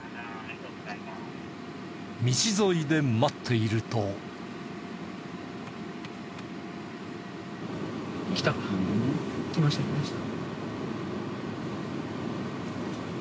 道沿いで待っていると。来ました来ました。